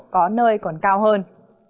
có nơi còn cao hơn